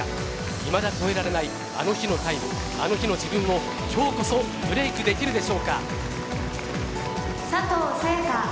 いまだ超えられないあの日のタイム、あの日の自分をきょうこそブレークできるでしょうか。